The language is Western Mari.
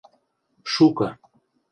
Шукы.